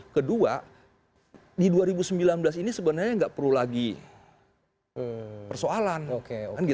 kedua di dua ribu sembilan belas ini sebenarnya nggak perlu lagi persoalan